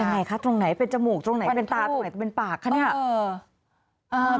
ไงคะตรงไหนเป็นจมูกตรงไหนเป็นตาตรงไหนจะเป็นปากคะเนี่ย